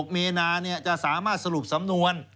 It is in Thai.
มีนาจะสามารถสรุปสำนวน